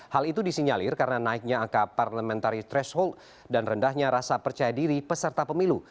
hal itu disinyalir karena naiknya angka parliamentary threshold dan rendahnya rasa percaya diri peserta pemilu